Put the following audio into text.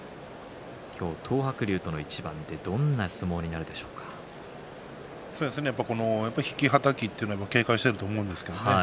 今日、東白龍との一番で引き、はたきは警戒していると思うんですけどね。